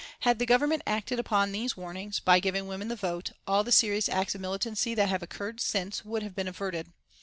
Had the Government acted upon these warnings, by giving women the vote, all the serious acts of militancy that have occurred since would have been averted.